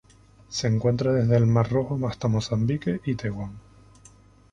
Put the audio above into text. Se encuentra desde el Mar Rojo hasta Mozambique y Taiwán.